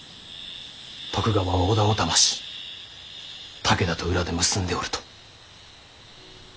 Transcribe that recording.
徳川は織田をだまし武田と裏で結んでおると。